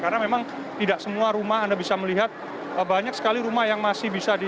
karena memang tidak semua rumah anda bisa melihat banyak sekali rumah yang masih bisa di